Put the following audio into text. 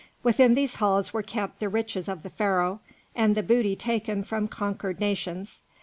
Within these halls were kept the riches of the Pharaoh, and the booty taken from conquered nations.